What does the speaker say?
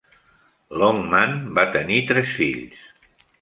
Longman va tenir tres fills.